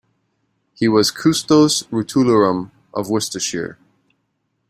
He was "Custos Rotulorum" of Worcestershire.